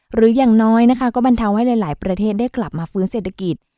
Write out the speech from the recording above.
หรืออย่างน้อยนะคะก็บรรเทาให้หลายประเทศได้กลับมาฟื้นเศรษฐกิจ